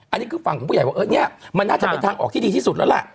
อันนี้คือฝั่งของผู้ใหญ่ว่าเนี่ยมันน่าจะเป็นทางออกที่ดีที่สุดแล้วล่ะ